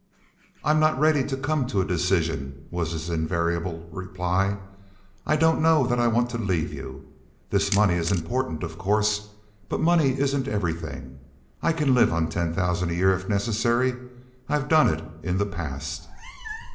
"I'm not ready to come to a decision," was his invariable reply. "I don't know that I want to leave you. This money is important, of course, but money isn't everything. I can live on ten thousand a year if necessary. I've done it in the past."